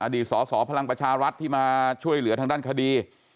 สสพลังประชารัฐที่มาช่วยเหลือทางด้านคดี